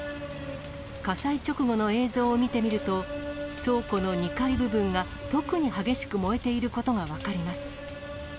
火災直後の映像を見てみると、倉庫の２階部分が特に激しく燃えていることが分かります。